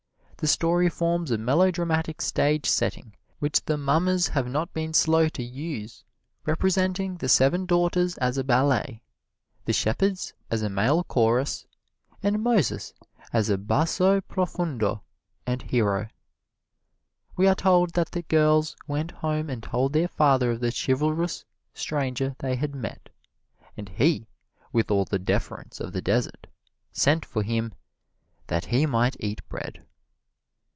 The story forms a melodramatic stage setting which the mummers have not been slow to use, representing the seven daughters as a ballet, the shepherds as a male chorus, and Moses as basso profundo and hero. We are told that the girls went home and told their father of the chivalrous stranger they had met, and he, with all the deference of the desert, sent for him "that he might eat bread."